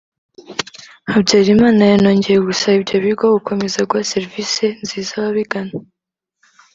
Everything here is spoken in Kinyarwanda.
Habyarimana yanongeye gusaba ibyo bigo gukomeza guha serivisi nziza ababigana